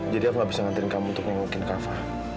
jadi aku gak bisa nganterin kamu untuk nengukin kafa